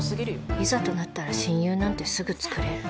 いざとなったら親友なんてすぐつくれる